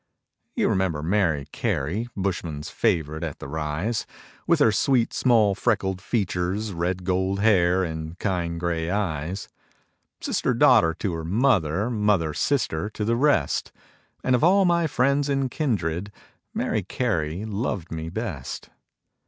You remember Mary Carey, Bushmen's favourite at the Rise? With her sweet small freckled features, Red gold hair, and kind grey eyes; Sister, daughter, to her mother, Mother, sister, to the rest And of all my friends and kindred, Mary Carey loved me best.